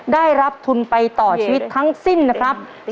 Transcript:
ได้รับทุนไปต่อชีวิตทั้งสิ้นนะครับ